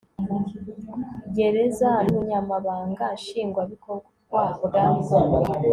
Gereza n Ubunyamabanga Nshingwabikorwa bwa